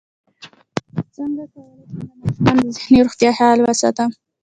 څنګه کولی شم د ماشومانو د ذهني روغتیا خیال وساتم